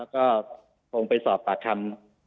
ก็คงไปสอบปากคำ